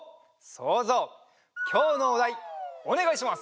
そうぞうきょうのおだいおねがいします！